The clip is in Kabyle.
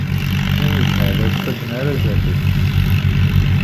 Imejhal ur ttadden ara sdat-k.